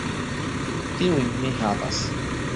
Tiujn ni havas.